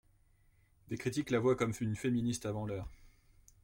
Des critiques la voient comme une féministe avant l'heure.